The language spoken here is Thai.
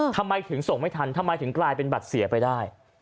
ทำไมถึงส่งไม่ทันทำไมถึงกลายเป็นบัตรเสียไปได้